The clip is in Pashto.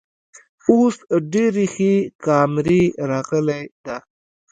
اوس ډیرې ښې کامرۍ راغلی ده